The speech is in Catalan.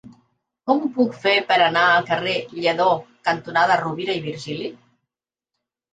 Com ho puc fer per anar al carrer Lledó cantonada Rovira i Virgili?